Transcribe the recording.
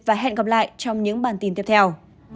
và hẹn gặp lại trong những bản tin tiếp theo